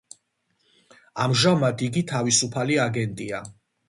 ამჟამად იგი თავისუფალი აგენტია.